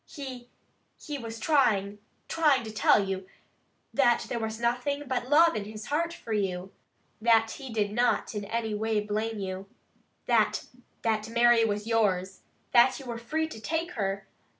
He he was trying trying to tell you, that there was nothing but love in his heart for you. That he did not in any way blame you. That that Mary was yours. That you were free to take her.